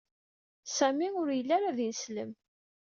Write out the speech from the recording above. Sami ur yelli ara d ineslem.